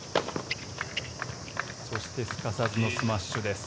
そしてすかさずのスマッシュです。